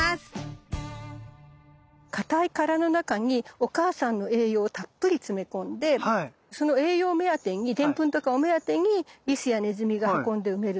かたい殻の中にお母さんの栄養をたっぷり詰め込んでその栄養目当てにでんぷんとかを目当てにリスやネズミが運んで埋めるの。